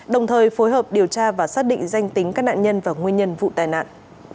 đồng thời phối hợp điều tra và xác định danh tính các nạn nhân và nguyên nhân vụ tai nạn